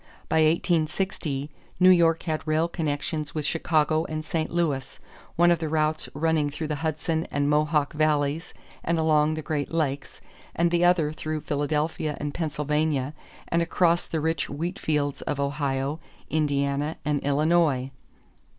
By 1860, New York had rail connections with Chicago and St. Louis, one of the routes running through the Hudson and Mohawk valleys and along the Great Lakes, the other through Philadelphia and Pennsylvania and across the rich wheat fields of Ohio, Indiana, and Illinois.